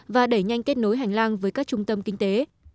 và đẩy nhanh kết nối hành lang với các trung tâm kinh tế